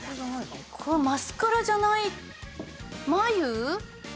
これマスカラじゃない眉？